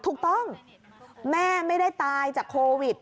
ถูกต้องแม่ไม่ได้ตายจากโควิด